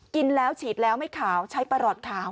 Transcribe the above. กินให้ดูเลยค่ะว่ามันปลอดภัย